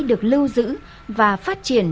được lưu giữ và phát triển